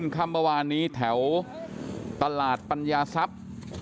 คำบาวานี้แถวตลาดปัญญาทรัพย์